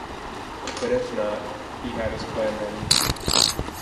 But if not, he had his plan ready.